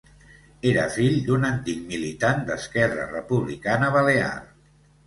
Era fill d'un antic militant d'Esquerra Republicana Balear.